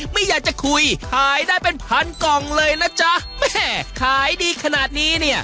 ไม่อยากจะคุยขายได้เป็นพันกล่องเลยนะจ๊ะแม่ขายดีขนาดนี้เนี่ย